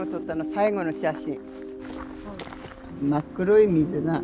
最後の写真。